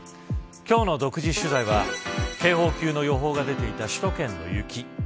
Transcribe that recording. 今日の独自取材は警報級の予報が出ていた首都圏の雪。